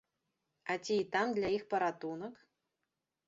А ці і там для іх паратунак?